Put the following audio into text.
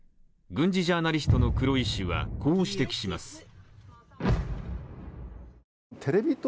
軍事ジャーナリストの黒井氏はこう指摘します。